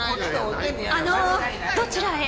あのどちらへ？